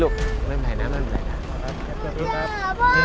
หนูจะหาพ่อหนูจะหาแม่